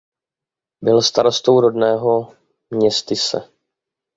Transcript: Byl starostou rodného městyse.